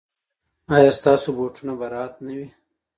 ایا ستاسو بوټونه به راحت نه وي؟